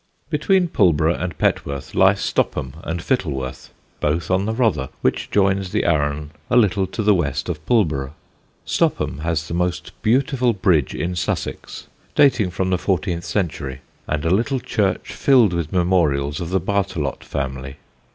Between Pulborough and Petworth lie Stopham and Fittleworth, both on the Rother, which joins the Arun a little to the west of Pulborough. Stopham has the most beautiful bridge in Sussex, dating from the fourteenth century, and a little church filled with memorials of the Bartelott family.